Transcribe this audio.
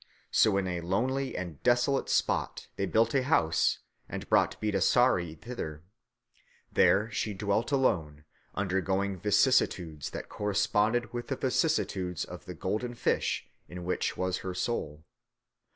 So in a lonely and desolate spot they built a house and brought Bidasari thither. There she dwelt alone, undergoing vicissitudes that corresponded with the vicissitudes of the golden fish in which was her soul.